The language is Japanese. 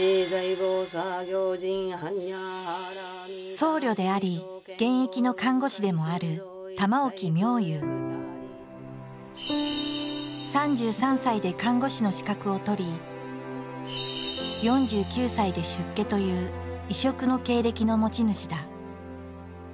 僧侶であり現役の看護師でもある３３歳で看護師の資格を取り４９歳で出家という異色の経歴の持ち主だ。